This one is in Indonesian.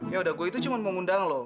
ya udah gua itu cuma mau ngundang lu